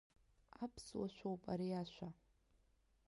Аԥсуа шәоуп ари ашәа.